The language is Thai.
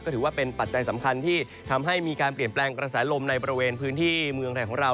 ถือว่าเป็นปัจจัยสำคัญที่ทำให้มีการเปลี่ยนแปลงกระแสลมในบริเวณพื้นที่เมืองไทยของเรา